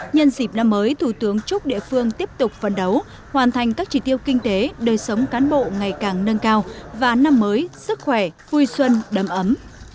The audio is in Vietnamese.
nhân dịp năm mới thủ tướng chúc địa phương tiếp tục phấn đấu hoàn thành các chỉ tiêu kinh tế đời sống cán bộ ngày càng nâng cao và năm mới sức khỏe vui xuân đầm ấm